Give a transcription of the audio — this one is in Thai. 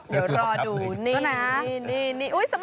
เดี๋ยวรอดูนี่นะ